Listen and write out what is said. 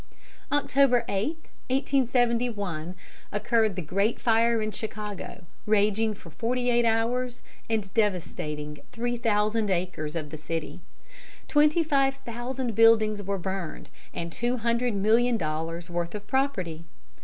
October 8, 1871, occurred the great fire in Chicago, raging for forty eight hours and devastating three thousand acres of the city. Twenty five thousand buildings were burned, and two hundred million dollars' worth of property.